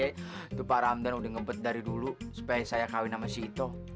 itu pak ramdan udah ngempet dari dulu supaya saya kawin sama si ito